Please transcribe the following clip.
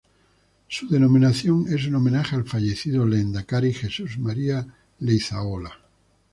Su denominación es un homenaje al fallecido lehendakari Jesús María Leizaola.